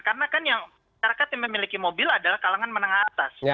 karena kan yang masyarakat yang memiliki mobil adalah kalangan menengah atas